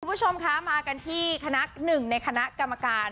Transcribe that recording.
คุณผู้ชมคะมากันที่คณะหนึ่งในคณะกรรมการ